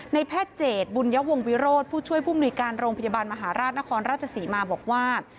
แพทย์เจตบุญยวงวิโรธผู้ช่วยผู้มนุยการโรงพยาบาลมหาราชนครราชศรีมาบอกว่า